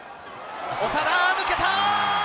長田、抜けた。